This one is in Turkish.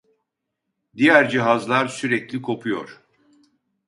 Diğer cihazlar sürekli kopuyor